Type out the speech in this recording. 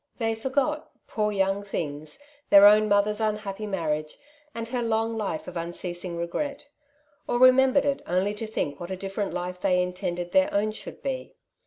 They forgot, poor young things, their own mother's unhappy marriage, and her long life of unceasing regret; or remembered it only to think what a different life they intended their own should be.